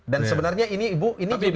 dan sebenarnya ini ibu ini juga